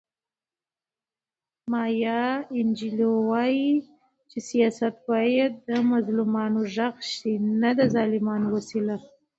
مایا انجیلو وایي چې سیاست باید د مظلومانو غږ شي نه د ظالمانو وسیله.